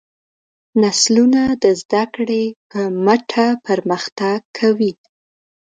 نسلونه د زدهکړې په مټ پرمختګ کوي.